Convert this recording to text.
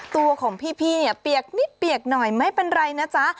ตัวของพี่เนี่ยเปียกนิดเปียกหน่อยไม่เป็นไรนะจ๊ะ